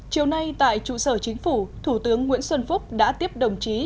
chiều nay tại trụ sở chính phủ thủ tướng nguyễn xuân phúc đã tiếp đồng chí